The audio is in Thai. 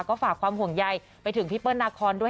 ก็ฝากความห่วงใยไปถึงพี่เปิ้ลนาคอนด้วย